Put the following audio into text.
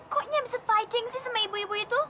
kok nyak bisa fighting sih sama ibu ibu itu